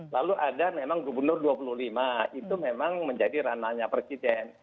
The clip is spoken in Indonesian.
lalu ada memang gubernur dua puluh lima itu memang menjadi ranahnya presiden